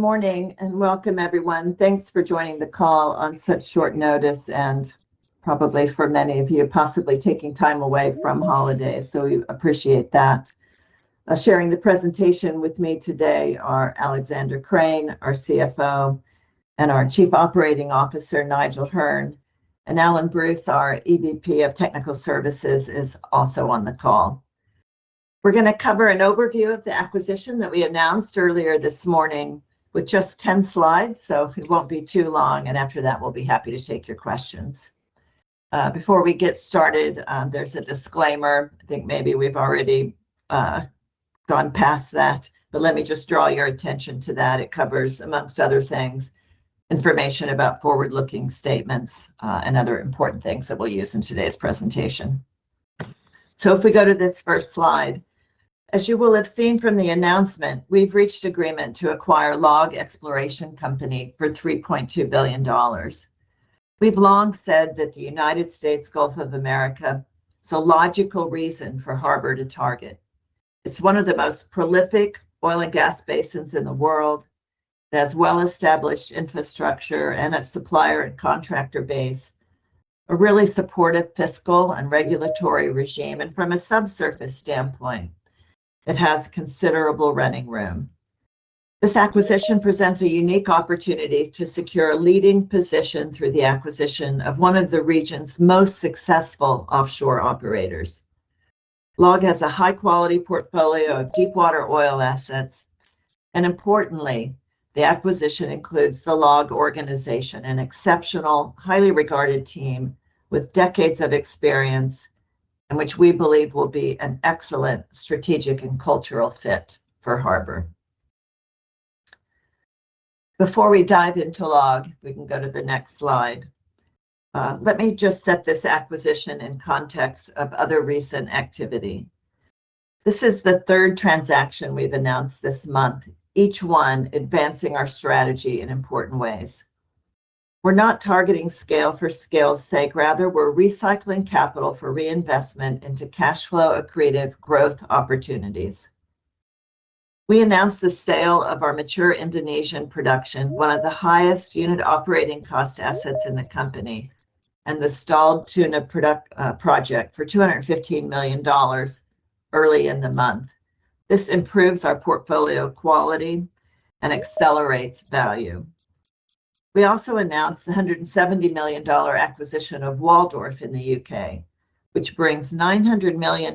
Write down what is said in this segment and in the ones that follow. Good morning and welcome, everyone. Thanks for joining the call on such short notice and probably for many of you possibly taking time away from holidays, so we appreciate that. Sharing the presentation with me today are Alexander Krane, our CFO, and our Chief Operating Officer, Nigel Hearne, and Alan Bruce, our EVP of Technical Services, is also on the call. We're going to cover an overview of the acquisition that we announced earlier this morning with just 10 slides, so it won't be too long, and after that, we'll be happy to take your questions. Before we get started, there's a disclaimer. I think maybe we've already gone past that, but let me just draw your attention to that. It covers, among other things, information about forward-looking statements and other important things that we'll use in today's presentation. So if we go to this first slide, as you will have seen from the announcement, we've reached agreement to acquire LLOG Exploration Company for $3.2 billion. We've long said that the United States Gulf of America is a logical reason for Harbour to target. It's one of the most prolific oil and gas basins in the world, has well-established infrastructure, and a supplier and contractor base, a really supportive fiscal and regulatory regime, and from a subsurface standpoint, it has considerable running room. This acquisition presents a unique opportunity to secure a leading position through the acquisition of one of the region's most successful offshore operators. LLOG has a high-quality portfolio of deepwater oil assets, and importantly, the acquisition includes the LLOG organization, an exceptional, highly regarded team with decades of experience, and which we believe will be an excellent strategic and cultural fit for Harbour. Before we dive into LLOG, if we can go to the next slide, let me just set this acquisition in context of other recent activity. This is the third transaction we've announced this month, each one advancing our strategy in important ways. We're not targeting scale for scale's sake. Rather, we're recycling capital for reinvestment into cash flow accretive growth opportunities. We announced the sale of our mature Indonesian production, one of the highest unit operating cost assets in the company, and the stalled Tuna project for $215 million early in the month. This improves our portfolio quality and accelerates value. We also announced the $170 million acquisition of Waldorf in the U.K., which brings $900 million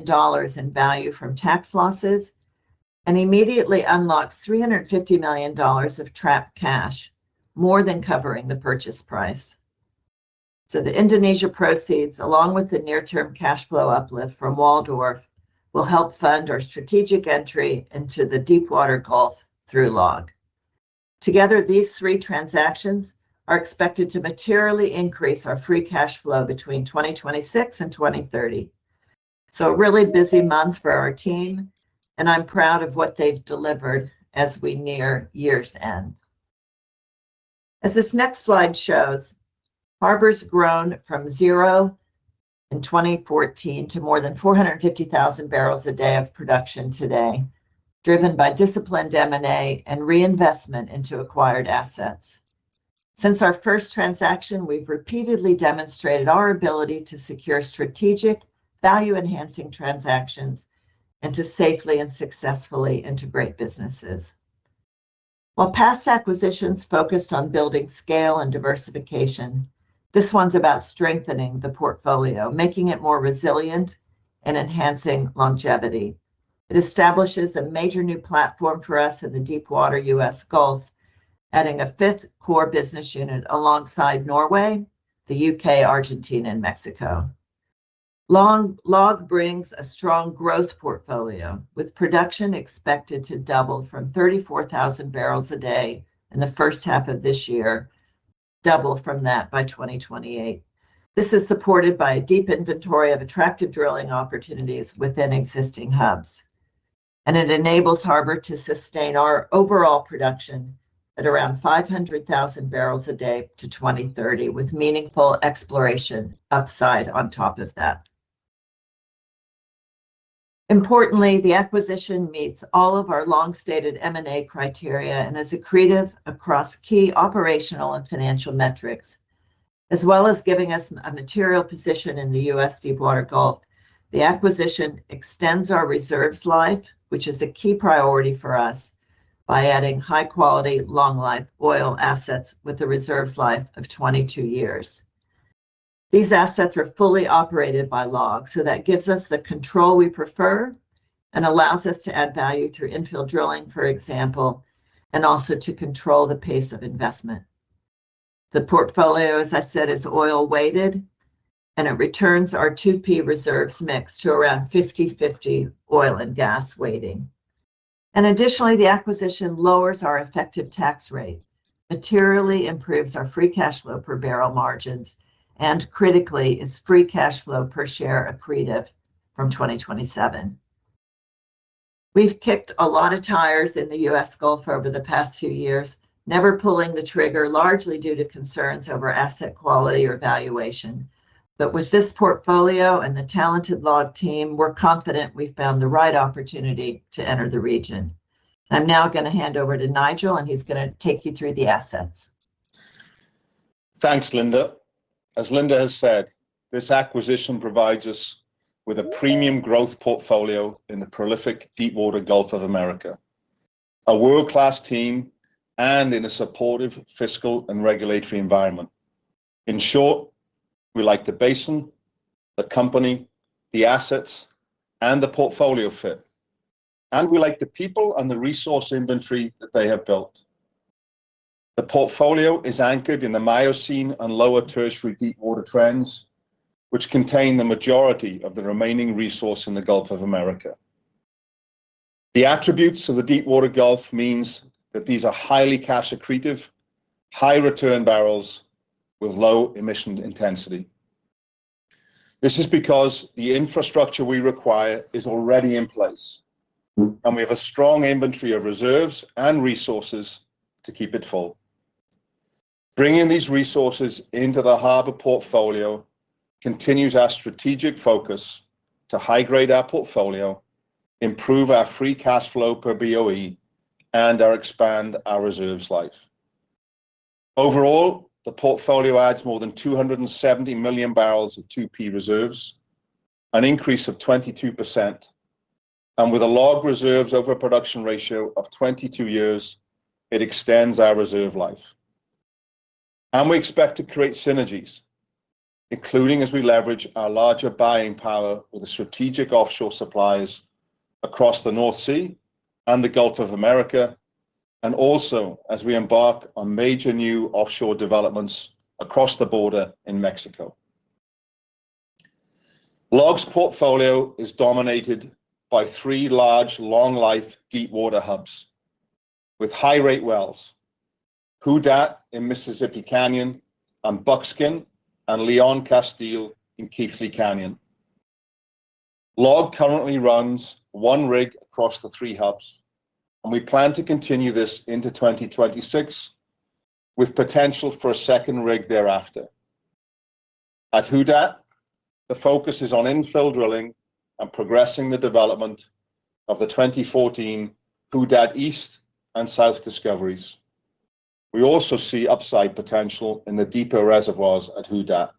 in value from tax losses and immediately unlocks $350 million of trapped cash, more than covering the purchase price. The Indonesia proceeds, along with the near-term cash flow uplift from Waldorf, will help fund our strategic entry into the deepwater Gulf through LLOG. Together, these three transactions are expected to materially increase our free cash flow between 2026 and 2030. A really busy month for our team, and I'm proud of what they've delivered as we near year's end. As this next slide shows, Harbour's grown from zero in 2014 to more than 450,000 barrels a day of production today, driven by disciplined M&A and reinvestment into acquired assets. Since our first transaction, we've repeatedly demonstrated our ability to secure strategic, value-enhancing transactions and to safely and successfully integrate businesses. While past acquisitions focused on building scale and diversification, this one's about strengthening the portfolio, making it more resilient, and enhancing longevity. It establishes a major new platform for us in the deepwater U.S. Gulf, adding a fifth core business unit alongside Norway, the U.K., Argentina, and Mexico. LLOG brings a strong growth portfolio, with production expected to double from 34,000 barrels a day in the first half of this year, double from that by 2028. This is supported by a deep inventory of attractive drilling opportunities within existing hubs, and it enables Harbour to sustain our overall production at around 500,000 barrels a day to 2030, with meaningful exploration upside on top of that. Importantly, the acquisition meets all of our long-stated M&A criteria and is accretive across key operational and financial metrics, as well as giving us a material position in the deepwater Gulf. The acquisition extends our reserves life, which is a key priority for us, by adding high-quality, long-life oil assets with a reserves life of 22 years. These assets are fully operated by LLOG, so that gives us the control we prefer and allows us to add value through infill drilling, for example, and also to control the pace of investment. The portfolio, as I said, is oil-weighted, and it returns our 2P reserves mix to around 50/50 oil and gas weighting, and additionally, the acquisition lowers our effective tax rate, materially improves our free cash flow per barrel margins, and critically, is free cash flow per share accretive from 2027. We've kicked a lot of tires in the U.S. Gulf over the past few years, never pulling the trigger, largely due to concerns over asset quality or valuation. But with this portfolio and the talented LLOG team, we're confident we found the right opportunity to enter the region. I'm now going to hand over to Nigel, and he's going to take you through the assets. Thanks, Linda. As Linda has said, this acquisition provides us with a premium growth portfolio in the prolific deepwater Gulf of America, a world-class team, and in a supportive fiscal and regulatory environment. In short, we like the basin, the company, the assets, and the portfolio fit, and we like the people and the resource inventory that they have built. The portfolio is anchored in the Miocene and Lower Tertiary deepwater trends, which contain the majority of the remaining resource in the Gulf of America. The attributes of the deepwater Gulf mean that these are highly cash-accretive, high-return barrels with low emission intensity. This is because the infrastructure we require is already in place, and we have a strong inventory of reserves and resources to keep it full. Bringing these resources into the Harbour portfolio continues our strategic focus to high-grade our portfolio, improve our free cash flow per BOE, and expand our reserves life. Overall, the portfolio adds more than 270 million barrels of 2P reserves, an increase of 22%, and with a LLOG's reserves over production ratio of 22 years, it extends our reserve life, and we expect to create synergies, including as we leverage our larger buying power with the strategic offshore suppliers across the North Sea and the Gulf of America, and also as we embark on major new offshore developments across the border in Mexico. LLOG's portfolio is dominated by three large long-life deepwater hubs with high-rate wells: Who Dat in Mississippi Canyon and Buckskin and Leon-Castile in Keathley Canyon. LLOG currently runs one rig across the three hubs, and we plan to continue this into 2026 with potential for a second rig thereafter. At Who Dat, the focus is on infill drilling and progressing the development of the 2014 Who Dat East and South discoveries. We also see upside potential in the deeper reservoirs at Who Dat.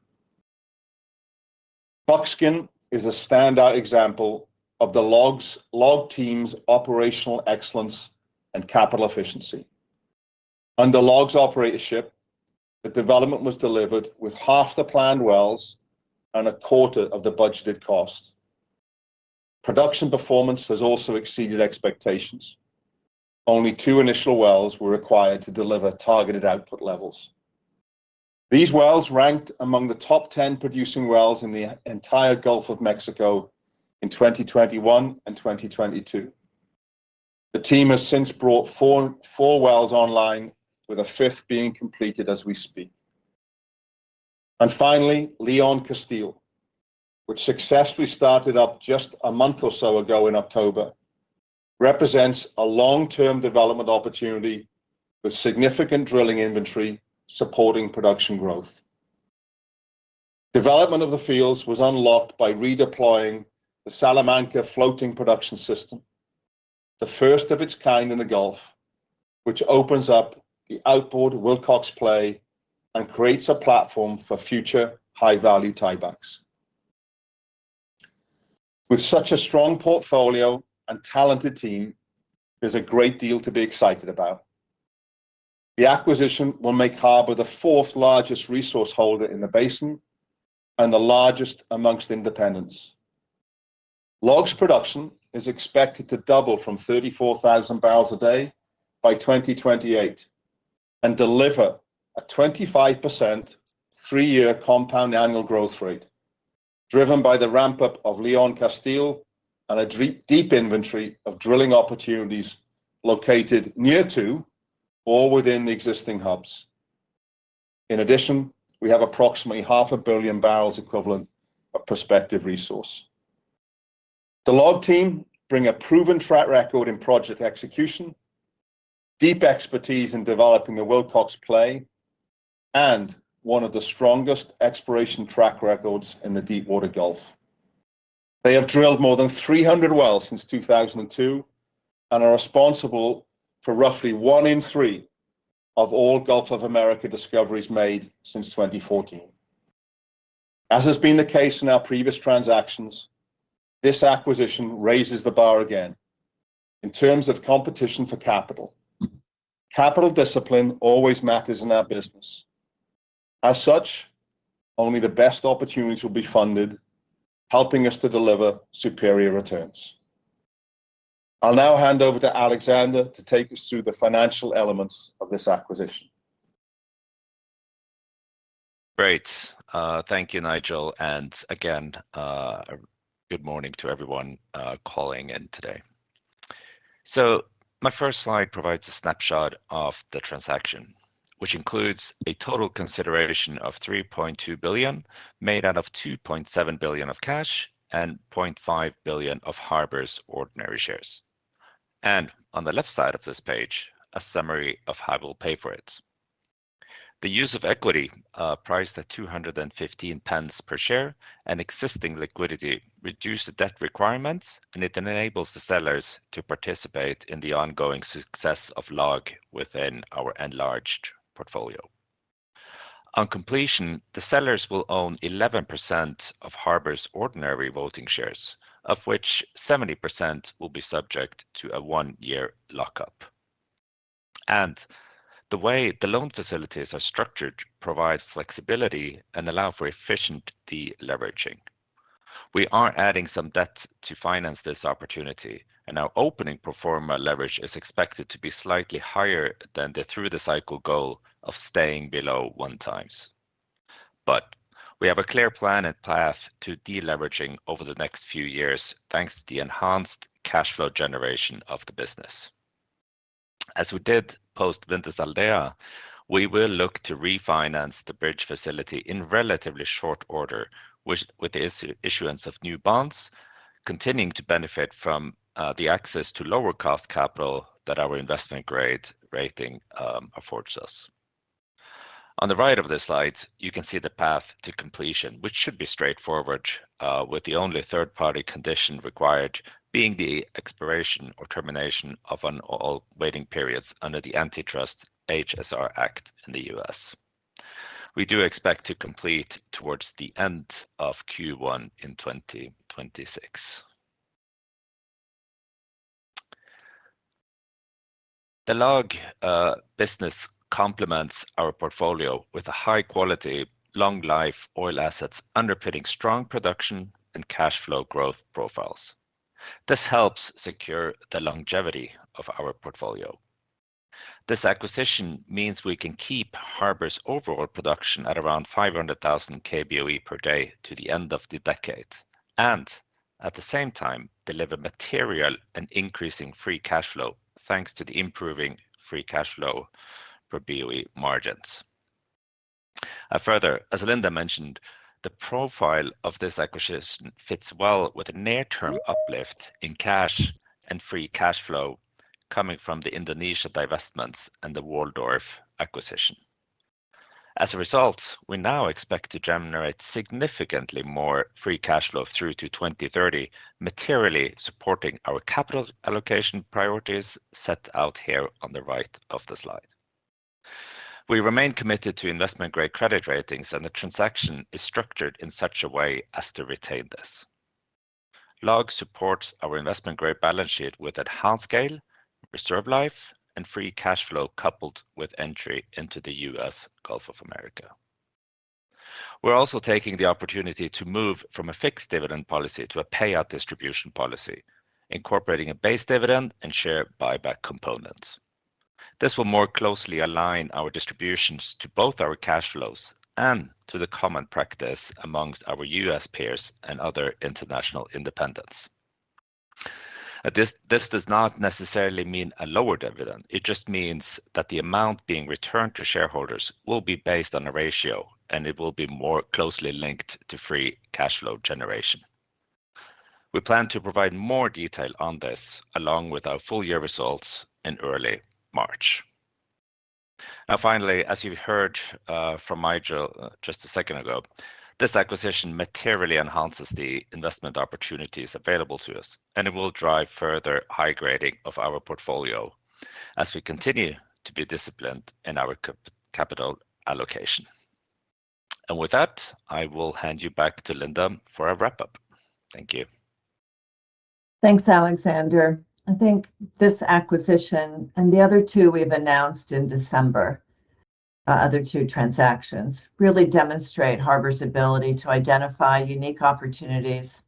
Buckskin is a standout example of LLOG's local team's operational excellence and capital efficiency. Under LLOG's operatorship, the development was delivered with half the planned wells and a quarter of the budgeted cost. Production performance has also exceeded expectations. Only two initial wells were required to deliver targeted output levels. These wells ranked among the top 10 producing wells in the entire Gulf of Mexico in 2021 and 2022. The team has since brought four wells online, with a fifth being completed as we speak. And finally, Leon-Castile, which successfully started up just a month or so ago in October, represents a long-term development opportunity with significant drilling inventory supporting production growth. Development of the fields was unlocked by redeploying the Salamanca floating production system, the first of its kind in the Gulf, which opens up the outboard Wilcox play and creates a platform for future high-value tiebacks. With such a strong portfolio and talented team, there's a great deal to be excited about. The acquisition will make Harbour the fourth largest resource holder in the basin and the largest amongst independents. LLOG's production is expected to double from 34,000 barrels a day by 2028 and deliver a 25% three-year compound annual growth rate, driven by the ramp-up of Leon-Castile and a deep inventory of drilling opportunities located near to or within the existing hubs. In addition, we have approximately 500 million barrels of oil equivalent of prospective resource. The LLOG team bring a proven track record in project execution, deep expertise in developing the Wilcox play, and one of the strongest exploration track records in the deepwater Gulf. They have drilled more than 300 wells since 2002 and are responsible for roughly one in three of all Gulf of America discoveries made since 2014. As has been the case in our previous transactions, this acquisition raises the bar again in terms of competition for capital. Capital discipline always matters in our business. As such, only the best opportunities will be funded, helping us to deliver superior returns. I'll now hand over to Alexander to take us through the financial elements of this acquisition. Great. Thank you, Nigel. And again, good morning to everyone calling in today. So my first slide provides a snapshot of the transaction, which includes a total consideration of $3.2 billion made out of $2.7 billion of cash and $0.5 billion of Harbour's ordinary shares. And on the left side of this page, a summary of how we'll pay for it. The use of equity priced at 2.15 per share and existing liquidity reduced the debt requirements, and it enables the sellers to participate in the ongoing success of LLOG within our enlarged portfolio. On completion, the sellers will own 11% of Harbour's ordinary voting shares, of which 70% will be subject to a one-year lock-up. And the way the loan facilities are structured provides flexibility and allows for efficient deleveraging. We are adding some debt to finance this opportunity, and our opening post-merger leverage is expected to be slightly higher than the through-the-cycle goal of staying below one times. But we have a clear plan and path to deleveraging over the next few years, thanks to the enhanced cash flow generation of the business. As we did post Wintershall Dea, we will look to refinance the bridge facility in relatively short order, with the issuance of new bonds, continuing to benefit from the access to lower-cost capital that our investment grade rating affords us. On the right of the slide, you can see the path to completion, which should be straightforward, with the only third-party condition required being the expiration or termination of all waiting periods under the Hart-Scott-Rodino Act in the U.S. We do expect to complete towards the end of Q1 in 2026. The LLOG business complements our portfolio with high-quality, long-life oil assets underpinning strong production and cash flow growth profiles. This helps secure the longevity of our portfolio. This acquisition means we can keep Harbour's overall production at around 500,000 KBOE per day to the end of the decade and, at the same time, deliver material and increasing free cash flow, thanks to the improving free cash flow per BOE margins. Further, as Linda mentioned, the profile of this acquisition fits well with a near-term uplift in cash and free cash flow coming from the Indonesia divestments and the Waldorf acquisition. As a result, we now expect to generate significantly more free cash flow through to 2030, materially supporting our capital allocation priorities set out here on the right of the slide. We remain committed to investment-grade credit ratings, and the transaction is structured in such a way as to retain this. LLOG supports our investment-grade balance sheet with enhanced scale, reserve life, and free cash flow coupled with entry into the U.S. Gulf of America. We're also taking the opportunity to move from a fixed dividend policy to a payout distribution policy, incorporating a base dividend and share buyback component. This will more closely align our distributions to both our cash flows and to the common practice among our U.S. peers and other international independents. This does not necessarily mean a lower dividend. It just means that the amount being returned to shareholders will be based on a ratio, and it will be more closely linked to free cash flow generation. We plan to provide more detail on this, along with our full-year results in early March. And finally, as you heard from Nigel just a second ago, this acquisition materially enhances the investment opportunities available to us, and it will drive further high-grading of our portfolio as we continue to be disciplined in our capital allocation. And with that, I will hand you back to Linda for a wrap-up. Thank you. Thanks, Alexander. I think this acquisition and the other two we've announced in December, other two transactions, really demonstrate Harbour's ability to identify unique opportunities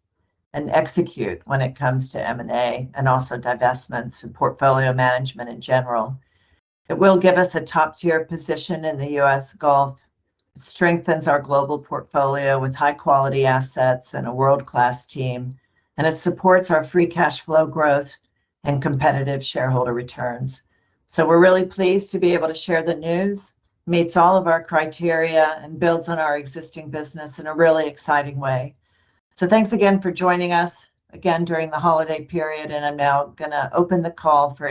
and execute when it comes to M&A and also divestments and portfolio management in general. It will give us a top-tier position in the U.S. Gulf, strengthens our global portfolio with high-quality assets and a world-class team, and it supports our free cash flow growth and competitive shareholder returns. So we're really pleased to be able to share the news. It meets all of our criteria and builds on our existing business in a really exciting way. So thanks again for joining us again during the holiday period, and I'm now going to open the call for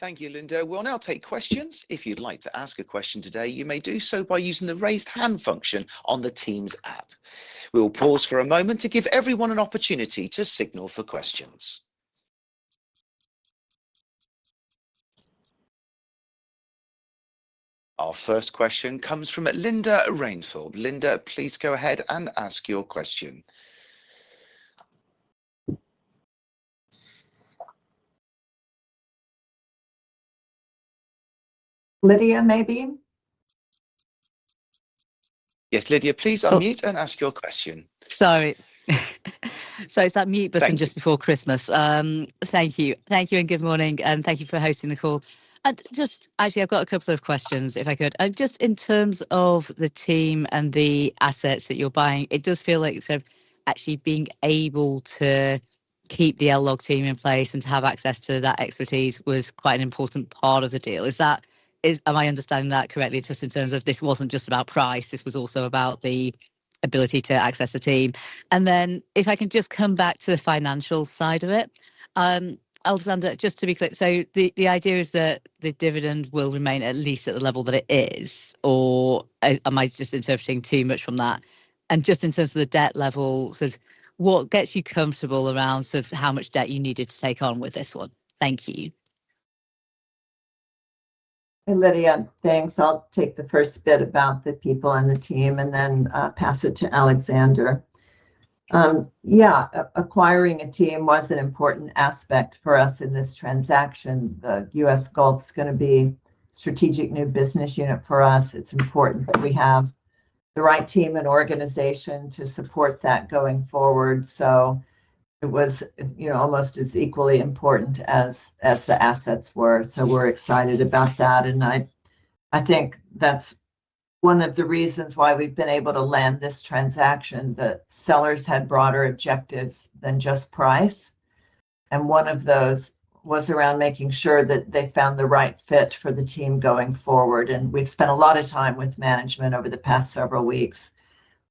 any questions you might have for the team. Thank you, Linda. We'll now take questions. If you'd like to ask a question today, you may do so by using the raised hand function on the Teams app. We'll pause for a moment to give everyone an opportunity to signal for questions. Our first question comes from Linda Rainforth. Linda, please go ahead and ask your question. Lydia, maybe? Yes, Lydia, please unmute and ask your question. Sorry. So it's that mute button just before Christmas. Thank you. Thank you and good morning, and thank you for hosting the call. And just actually, I've got a couple of questions, if I could. Just in terms of the team and the assets that you're buying, it does feel like sort of actually being able to keep the LLOG team in place and to have access to that expertise was quite an important part of the deal. Am I understanding that correctly? Just in terms of this wasn't just about price, this was also about the ability to access the team? And then if I can just come back to the financial side of it, Alexander, just to be clear, so the idea is that the dividend will remain at least at the level that it is, or am I just interpreting too much from that? Just in terms of the debt level, sort of what gets you comfortable around sort of how much debt you needed to take on with this one? Thank you. And Lydia, thanks. I'll take the first bit about the people and the team and then pass it to Alexander. Yeah, acquiring a team was an important aspect for us in this transaction. The U.S. Gulf is going to be a strategic new business unit for us. It's important that we have the right team and organization to support that going forward. So it was almost as equally important as the assets were. So we're excited about that. And I think that's one of the reasons why we've been able to land this transaction. The sellers had broader objectives than just price. And one of those was around making sure that they found the right fit for the team going forward. And we've spent a lot of time with management over the past several weeks.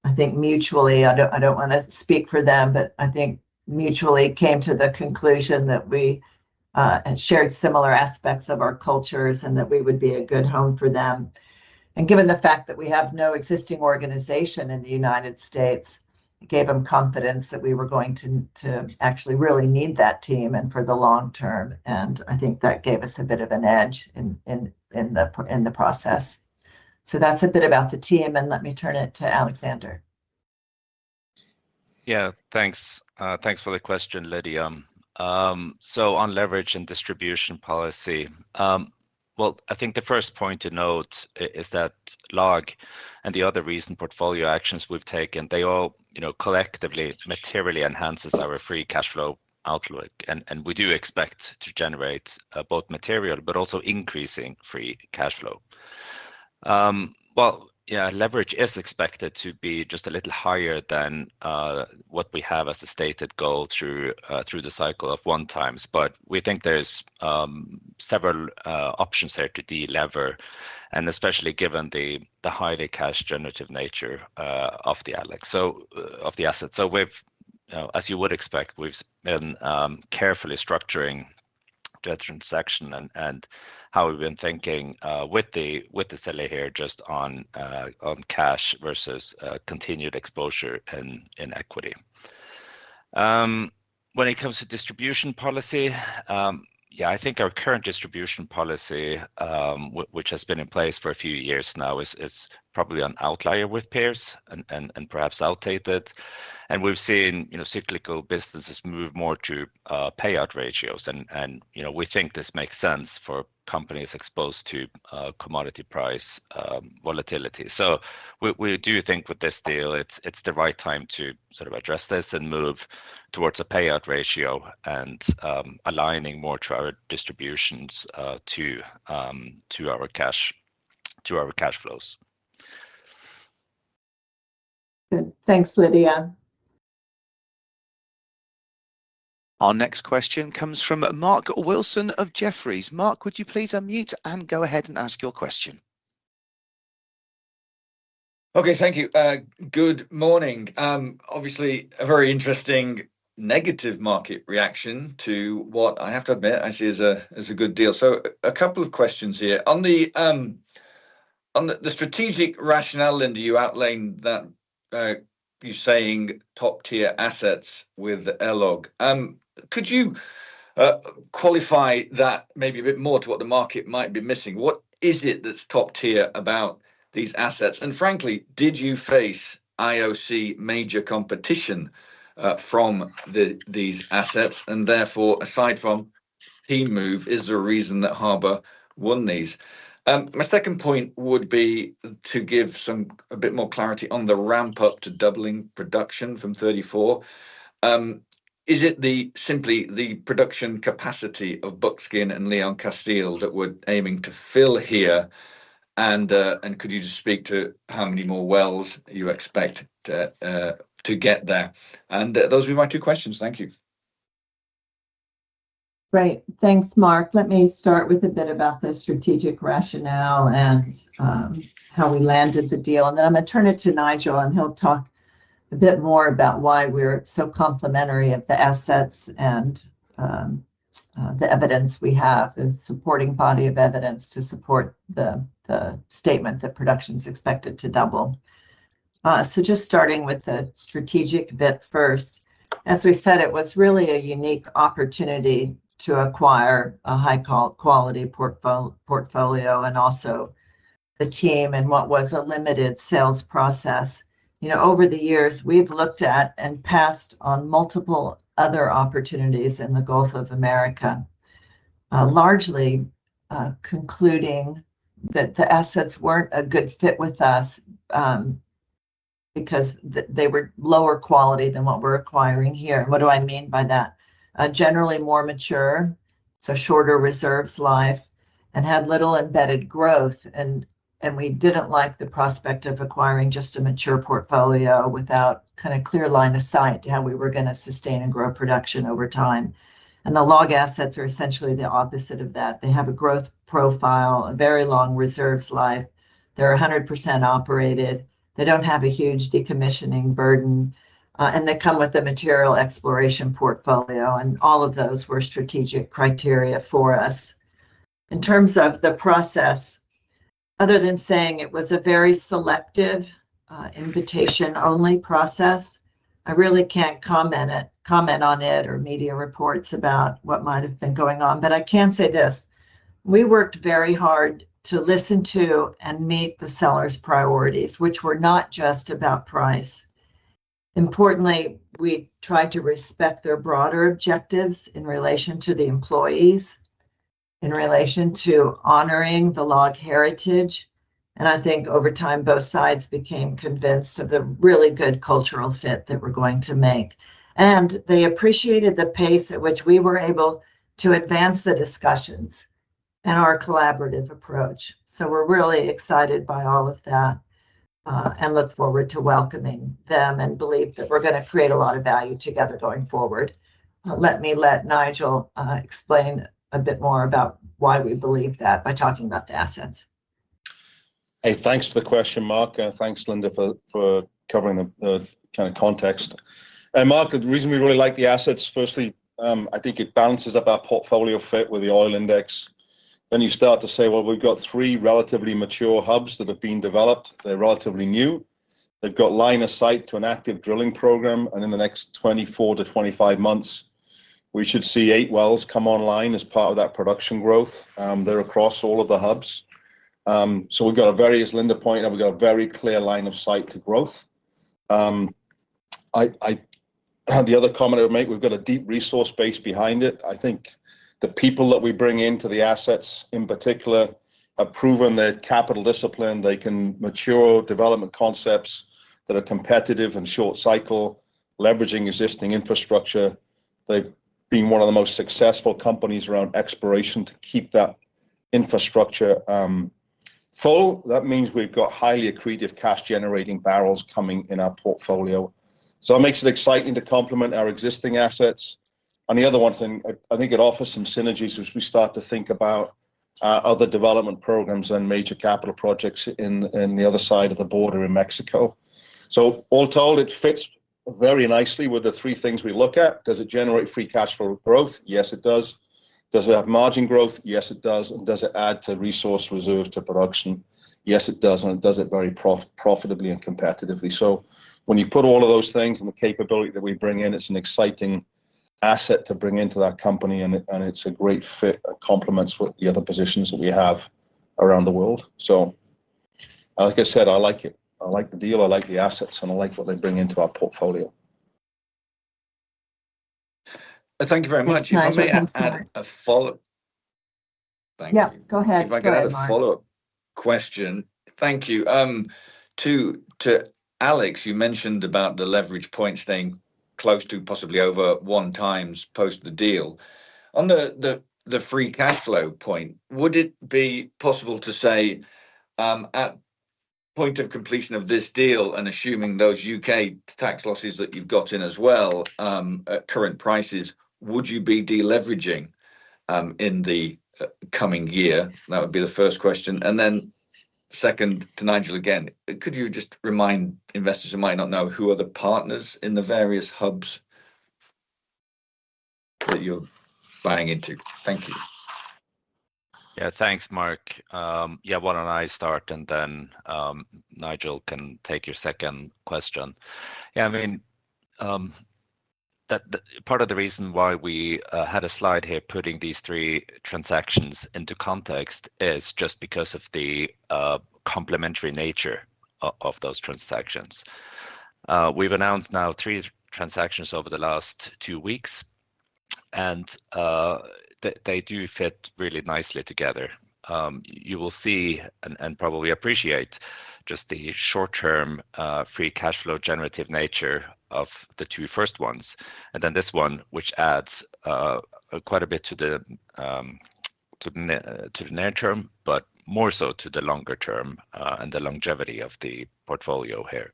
I think mutually, I don't want to speak for them, but I think mutually came to the conclusion that we shared similar aspects of our cultures and that we would be a good home for them. And given the fact that we have no existing organization in the United States, it gave them confidence that we were going to actually really need that team and for the long term. And I think that gave us a bit of an edge in the process. So that's a bit about the team. And let me turn it to Alexander. Yeah, thanks. Thanks for the question, Lydia. So on leverage and distribution policy, well, I think the first point to note is that LLOG and the other recent portfolio actions we've taken, they all collectively materially enhance our free cash flow outlook. And we do expect to generate both material, but also increasing free cash flow. Well, yeah, leverage is expected to be just a little higher than what we have as a stated goal through the cycle of one times. But we think there's several options here to delever, and especially given the highly cash generative nature of the assets. So as you would expect, we've been carefully structuring the transaction and how we've been thinking with the seller here just on cash versus continued exposure in equity. When it comes to distribution policy, yeah, I think our current distribution policy, which has been in place for a few years now, is probably an outlier with peers and perhaps outdated, and we've seen cyclical businesses move more to payout ratios, and we think this makes sense for companies exposed to commodity price volatility, so we do think with this deal, it's the right time to sort of address this and move towards a payout ratio and aligning more to our distributions to our cash flows. Thanks, Lydia. Our next question comes from Mark Wilson of Jefferies. Mark, would you please unmute and go ahead and ask your question? Okay, thank you. Good morning. Obviously, a very interesting negative market reaction to what I have to admit I see as a good deal. So a couple of questions here. On the strategic rationale, Linda, you outlined that you're saying top-tier assets with LLOG. Could you qualify that maybe a bit more to what the market might be missing? What is it that's top-tier about these assets? And frankly, did you face IOC major competition from these assets? And therefore, aside from team move, is there a reason that Harbour won these? My second point would be to give a bit more clarity on the ramp-up to doubling production from 34. Is it simply the production capacity of Buckskin and Leon-Castile that we're aiming to fill here? And could you just speak to how many more wells you expect to get there? And those would be my two questions. Thank you. Great. Thanks, Mark. Let me start with a bit about the strategic rationale and how we landed the deal, and then I'm going to turn it to Nigel, and he'll talk a bit more about why we're so complementary of the assets and the evidence we have, the supporting body of evidence to support the statement that production is expected to double. So just starting with the strategic bit first, as we said, it was really a unique opportunity to acquire a high-quality portfolio and also the team and what was a limited sales process. Over the years, we've looked at and passed on multiple other opportunities in the Gulf of America, largely concluding that the assets weren't a good fit with us because they were lower quality than what we're acquiring here. What do I mean by that? Generally more mature, so shorter reserves life, and had little embedded growth. And we didn't like the prospect of acquiring just a mature portfolio without kind of clear line of sight to how we were going to sustain and grow production over time. And the LLOG assets are essentially the opposite of that. They have a growth profile, a very long reserves life. They're 100% operated. They don't have a huge decommissioning burden. And they come with a material exploration portfolio. And all of those were strategic criteria for us. In terms of the process, other than saying it was a very selective invitation-only process, I really can't comment on it or media reports about what might have been going on. But I can say this: we worked very hard to listen to and meet the seller's priorities, which were not just about price. Importantly, we tried to respect their broader objectives in relation to the employees, in relation to honoring the LLOG heritage. And I think over time, both sides became convinced of the really good cultural fit that we're going to make. And they appreciated the pace at which we were able to advance the discussions and our collaborative approach. So we're really excited by all of that and look forward to welcoming them and believe that we're going to create a lot of value together going forward. Let me let Nigel explain a bit more about why we believe that by talking about the assets. Hey, thanks for the question, Mark. And thanks, Linda, for covering the kind of context. And Mark, the reason we really like the assets, firstly, I think it balances up our portfolio fit with the oil index. Then you start to say, well, we've got three relatively mature hubs that have been developed. They're relatively new. They've got line of sight to an active drilling program. And in the next 24-25 months, we should see eight wells come online as part of that production growth. They're across all of the hubs. So we've got a very, as Linda pointed out, we've got a very clear line of sight to growth. The other comment I would make, we've got a deep resource base behind it. I think the people that we bring into the assets in particular have proven their capital discipline. They can mature development concepts that are competitive and short cycle, leveraging existing infrastructure. They've been one of the most successful companies around exploration to keep that infrastructure full. That means we've got highly accretive cash-generating barrels coming in our portfolio. So it makes it exciting to complement our existing assets. On the other hand, one thing, I think it offers some synergies as we start to think about other development programs and major capital projects on the other side of the border in Mexico. So all told, it fits very nicely with the three things we look at. Does it generate free cash flow growth? Yes, it does. Does it have margin growth? Yes, it does. And does it add to reserves-to-production? Yes, it does. And it does it very profitably and competitively. So when you put all of those things and the capability that we bring in, it's an exciting asset to bring into that company. And it's a great fit and complements the other positions that we have around the world. So like I said, I like the deal. I like the assets. And I like what they bring into our portfolio. Thank you very much. If I may add a follow-up. Yeah, go ahead. If I can add a follow-up question. Thank you. To Alex, you mentioned about the leverage point staying close to possibly over one times post the deal. On the free cash flow point, would it be possible to say at point of completion of this deal, and assuming those U.K. tax losses that you've got in as well at current prices, would you be deleveraging in the coming year? That would be the first question. And then second to Nigel again, could you just remind investors who might not know who are the partners in the various hubs that you're buying into? Thank you. Yeah, thanks, Mark. Yeah, why don't I start and then Nigel can take your second question. Yeah, I mean, part of the reason why we had a slide here putting these three transactions into context is just because of the complementary nature of those transactions. We've announced now three transactions over the last two weeks, and they do fit really nicely together. You will see and probably appreciate just the short-term free cash flow generative nature of the two first ones, and then this one, which adds quite a bit to the near term, but more so to the longer term and the longevity of the portfolio here.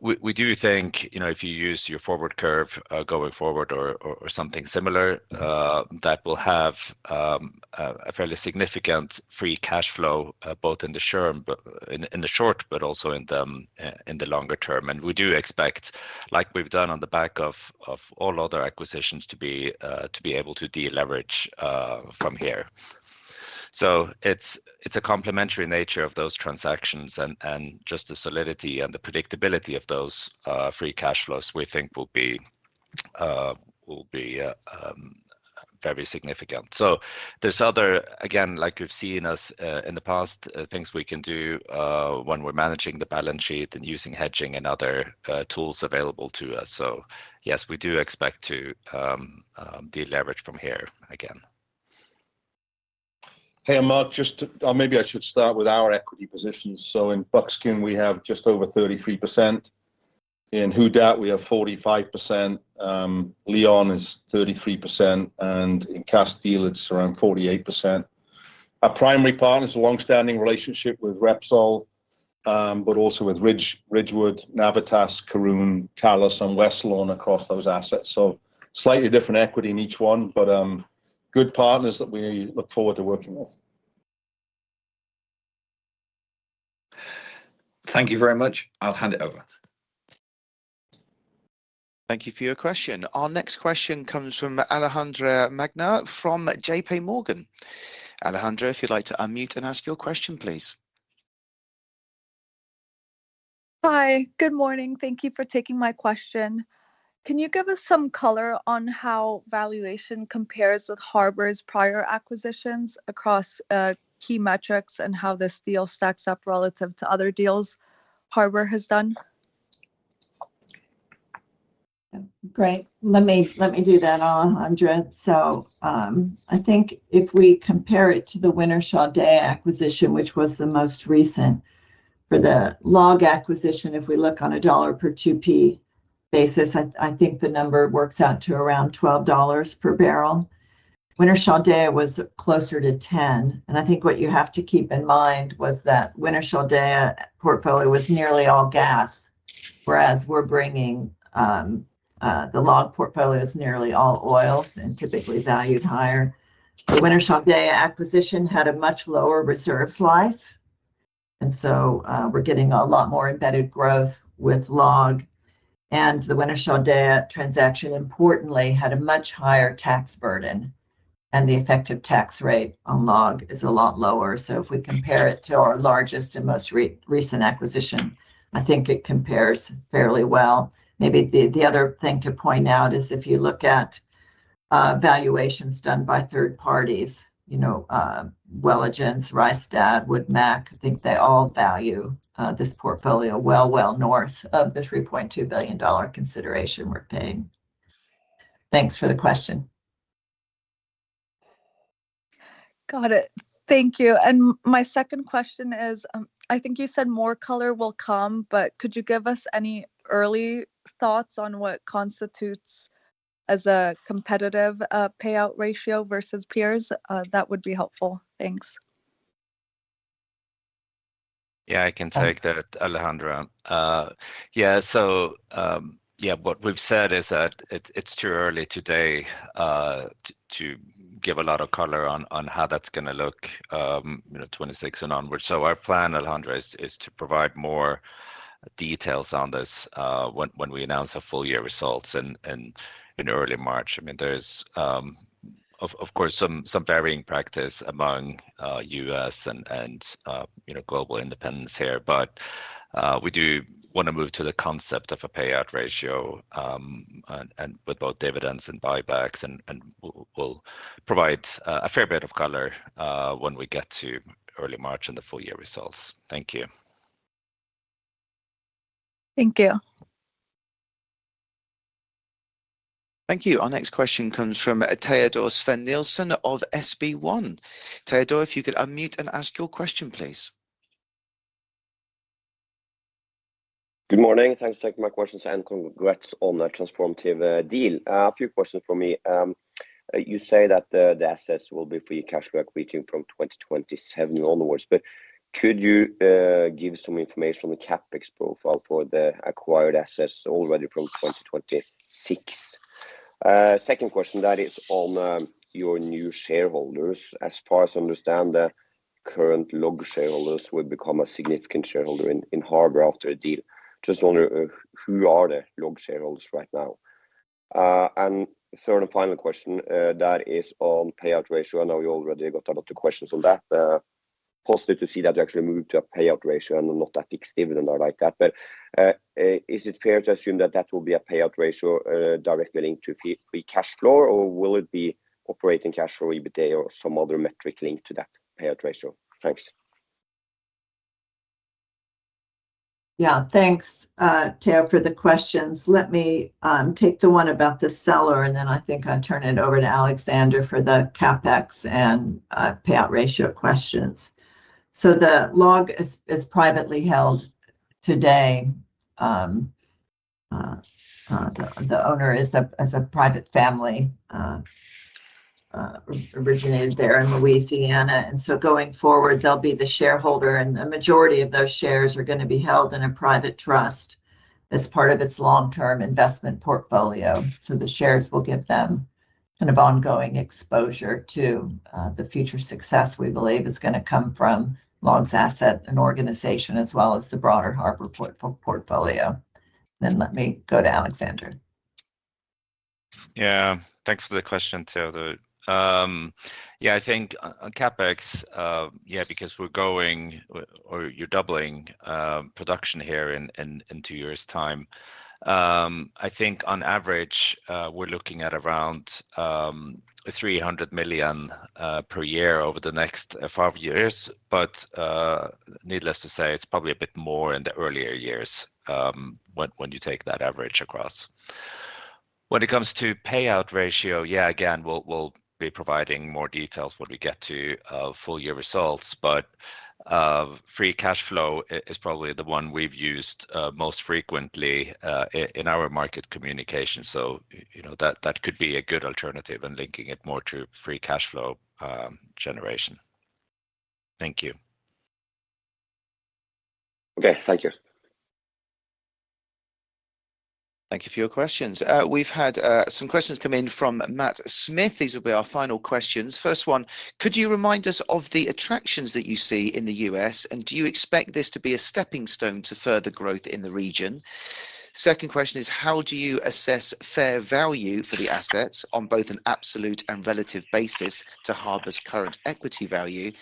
We do think if you use your forward curve going forward or something similar, that will have a fairly significant free cash flow both in the short but also in the longer term. We do expect, like we've done on the back of all other acquisitions, to be able to deleverage from here. It's a complementary nature of those transactions. Just the solidity and the predictability of those free cash flows we think will be very significant. There's other, again, like we've seen us in the past, things we can do when we're managing the balance sheet and using hedging and other tools available to us. Yes, we do expect to deleverage from here again. Hey, I'm Mark. Just maybe I should start with our equity positions. So in Buckskin, we have just over 33%. In Who Dat, we have 45%. Leon is 33%. And in Castile, it's around 48%. Our primary partner is a long-standing relationship with Repsol, but also with Ridgewood, Navitas, Karoon, Talos, and Westlawn across those assets. So slightly different equity in each one, but good partners that we look forward to working with. Thank you very much. I'll hand it over. Thank you for your question. Our next question comes from Alejandra Magana from JPMorgan. Alejandra, if you'd like to unmute and ask your question, please. Hi, good morning. Thank you for taking my question. Can you give us some color on how valuation compares with Harbour's prior acquisitions across key metrics and how this deal stacks up relative to other deals Harbour has done? Great. Let me do that, Alejandra. So I think if we compare it to the Wintershall Dea acquisition, which was the most recent for the LLOG acquisition, if we look on a dollar per 2P basis, I think the number works out to around $12 per barrel. Wintershall Dea was closer to $10. And I think what you have to keep in mind was that Wintershall Dea portfolio was nearly all gas, whereas we're bringing the LLOG portfolio is nearly all oil and typically valued higher. The Wintershall Dea acquisition had a much lower reserves life. And so we're getting a lot more embedded growth with LLOG. And the Wintershall Dea transaction, importantly, had a much higher tax burden. And the effective tax rate on LLOG is a lot lower. So if we compare it to our largest and most recent acquisition, I think it compares fairly well. Maybe the other thing to point out is if you look at valuations done by third parties, Welligence, Rystad, Wood Mac, I think they all value this portfolio well, well north of the $3.2 billion consideration we're paying. Thanks for the question. Got it. Thank you, and my second question is, I think you said more color will come, but could you give us any early thoughts on what constitutes as a competitive payout ratio versus peers? That would be helpful. Thanks. Yeah, I can take that, Alejandra. Yeah, so yeah, what we've said is that it's too early today to give a lot of color on how that's going to look 2026 and onwards, so our plan, Alejandra, is to provide more details on this when we announce our full year results in early March. I mean, there's, of course, some varying practice among U.S. and global independents here, but we do want to move to the concept of a payout ratio with both dividends and buybacks, and we'll provide a fair bit of color when we get to early March and the full year results. Thank you. Thank you. Thank you. Our next question comes from Teodor Sveen-Nilsen of SB1. Teodor, if you could unmute and ask your question, please. Good morning. Thanks for taking my questions and congrats on the transformative deal. A few questions for me. You say that the assets will be free cash flow generative from 2027 onwards, but could you give some information on the CapEx profile for the acquired assets already from 2026? Second question, that is on your new shareholders. As far as I understand, the current LLOG shareholders will become a significant shareholder in Harbour after the deal. Just wonder who are the LLOG shareholders right now? And third and final question, that is on payout ratio. I know you already got a lot of questions on that. Positive to see that you actually moved to a payout ratio and not a fixed dividend or like that. But is it fair to assume that that will be a payout ratio directly linked to free cash flow? Or will it be operating cash flow, EBITDA, or some other metric linked to that payout ratio? Thanks. Yeah, thanks, Teo, for the questions. Let me take the one about the seller. And then I think I'll turn it over to Alexander for the CapEx and payout ratio questions. So LLOG is privately held today. The owner is a private family originated there in Louisiana. And so going forward, they'll be the shareholder. And a majority of those shares are going to be held in a private trust as part of its long-term investment portfolio. So the shares will give them kind of ongoing exposure to the future success we believe is going to come from LLOG's assets and operations as well as the broader Harbour portfolio. Then let me go to Alexander. Yeah, thanks for the question, Teodor. Yeah, I think CapEx, yeah, because we're going or you're doubling production here in two years' time. I think on average, we're looking at around 300 million per year over the next five years. But needless to say, it's probably a bit more in the earlier years when you take that average across. When it comes to payout ratio, yeah, again, we'll be providing more details when we get to full year results. But free cash flow is probably the one we've used most frequently in our market communication. So that could be a good alternative and linking it more to free cash flow generation. Thank you. Okay, thank you. Thank you for your questions. We've had some questions come in from Matt Smith. These will be our final questions. First one, could you remind us of the attractions that you see in the U.S.? And do you expect this to be a stepping stone to further growth in the region? Second question is, how do you assess fair value for the assets on both an absolute and relative basis to Harbour's current equity value?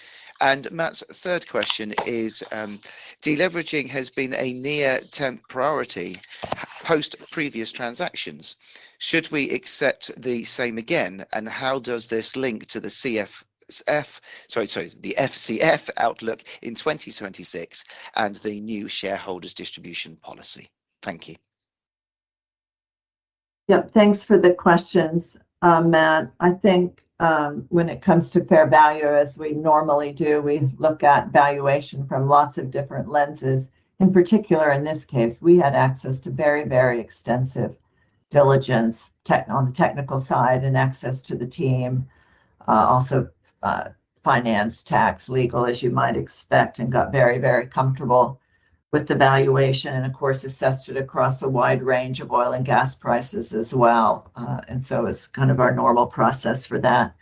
And Matt's third question is, deleveraging has been a near-term priority post previous transactions. Should we expect the same again? And how does this link to the FCF sorry, sorry, the FCF outlook in 2026 and the new shareholders' distribution policy? Thank you. Yep, thanks for the questions, Matt. I think when it comes to fair value, as we normally do, we look at valuation from lots of different lenses. In particular, in this case, we had access to very, very extensive diligence on the technical side and access to the team, also finance, tax, legal, as you might expect, and got very, very comfortable with the valuation, and of course, assessed it across a wide range of oil and gas prices as well, and so it's kind of our normal process for that,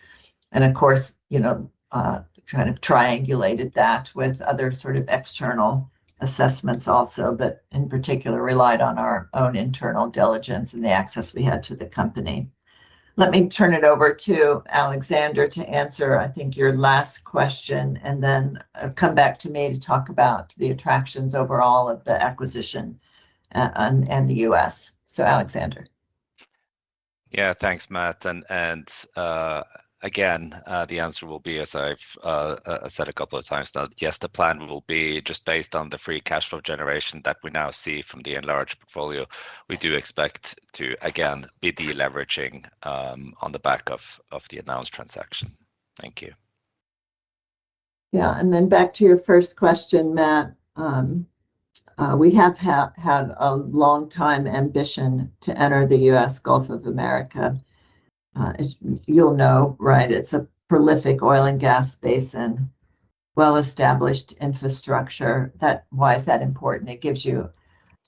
and of course, kind of triangulated that with other sort of external assessments also, but in particular, relied on our own internal diligence and the access we had to the company. Let me turn it over to Alexander to answer, I think, your last question, and then come back to me to talk about the attractions overall of the acquisition and the U.S. So, Alexander? Yeah, thanks, Matt. And again, the answer will be, as I've said a couple of times now, yes, the plan will be just based on the free cash flow generation that we now see from the enlarged portfolio. We do expect to, again, be deleveraging on the back of the announced transaction. Thank you. Yeah, and then back to your first question, Matt. We have had a long-time ambition to enter the U.S. Gulf of Mexico. You'll know, right? It's a prolific oil and gas basin, well-established infrastructure. Why is that important? It gives you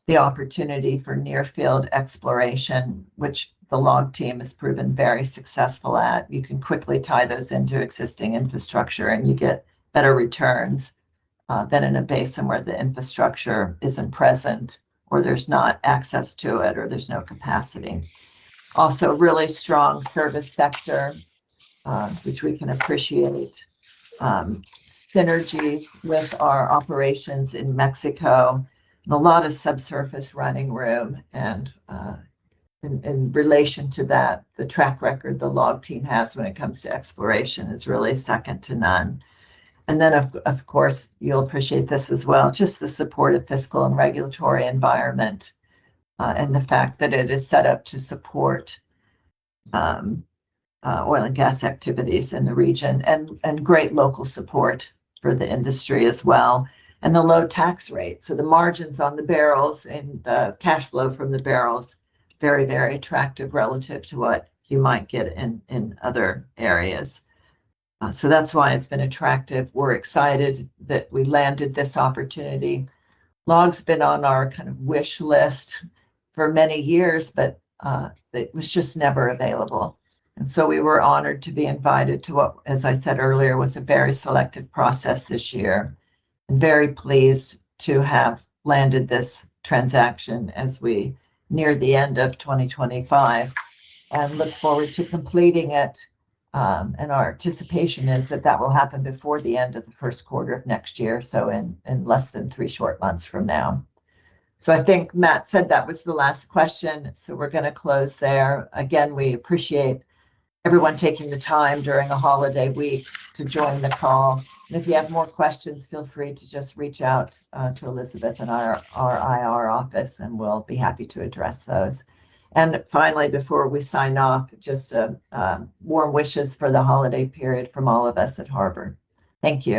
the opportunity for near-field exploration, which the LLOG team has proven very successful at. You can quickly tie those into existing infrastructure, and you get better returns than in a basin where the infrastructure isn't present, or there's not access to it, or there's no capacity. Also, really strong service sector, which we can appreciate. Synergies with our operations in Mexico and a lot of subsurface running room. And in relation to that, the track record the LLOG team has when it comes to exploration is really second to none. And then, of course, you'll appreciate this as well, just the support of fiscal and regulatory environment and the fact that it is set up to support oil and gas activities in the region and great local support for the industry as well. And the low tax rate. So the margins on the barrels and the cash flow from the barrels are very, very attractive relative to what you might get in other areas. So that's why it's been attractive. We're excited that we landed this opportunity. LLOG's been on our kind of wish list for many years, but it was just never available. And so we were honored to be invited to what, as I said earlier, was a very selective process this year. And very pleased to have landed this transaction near the end of 2025 and look forward to completing it. And our anticipation is that that will happen before the end of the first quarter of next year, so in less than three short months from now. So I think Matt said that was the last question. So we're going to close there. Again, we appreciate everyone taking the time during a holiday week to join the call. And if you have more questions, feel free to just reach out to Elizabeth in our IR office, and we'll be happy to address those. And finally, before we sign off, just warm wishes for the holiday period from all of us at Harbour. Thank you.